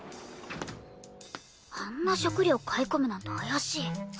あんな食料買い込むなんて怪しい。